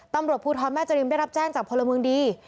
ตำรวจภูทรแม่จริมได้รับแจ้งจากพลเมืองดี